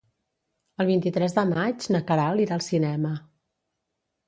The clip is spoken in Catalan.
El vint-i-tres de maig na Queralt irà al cinema.